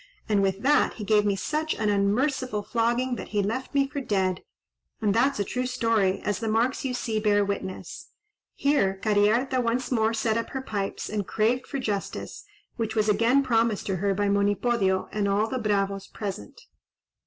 —and with that he gave me such an unmerciful flogging, that he left me for dead; and that's a true story, as the marks you see bear witness." Here Cariharta once more set up her pipes and craved for justice, which was again promised to her by Monipodio and all the bravos present.